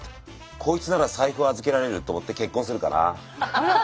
こいつなら財布預けられると思って結婚するかな。